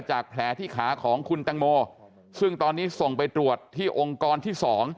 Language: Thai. แผลที่ขาของคุณตังโมซึ่งตอนนี้ส่งไปตรวจที่องค์กรที่๒